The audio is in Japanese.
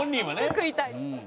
肉食いたい。